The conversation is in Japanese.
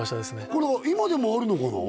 これは今でもあるのかな？